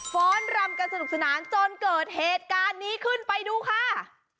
้อนรำกันสนุกสนานจนเกิดเหตุการณ์นี้ขึ้นไปดูค่ะ